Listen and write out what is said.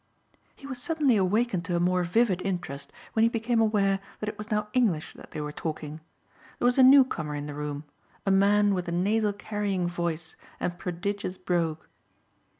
He was suddenly awakened to a more vivid interest when he became aware that it was now English that they were talking. There was a newcomer in the room, a man with a nasal carrying voice and a prodigious brogue.